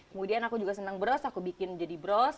kemudian aku juga senang bros aku bikin jadi bros